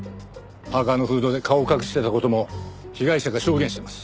パーカのフードで顔を隠してた事も被害者が証言してます。